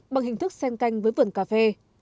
bằng hình thức sen canh với vườn cà phê